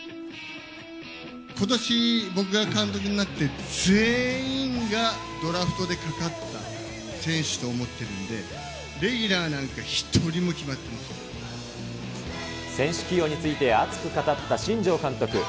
ことし、僕が監督になって、全員がドラフトでかかった選手と思ってるんで、レギュラーなんか選手起用について熱く語った新庄監督。